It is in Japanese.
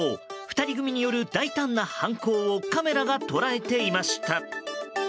２人組による大胆な犯行をカメラが捉えていました。